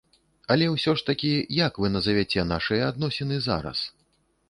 Але ўсё ж такі, як вы назавяце нашыя адносіны зараз?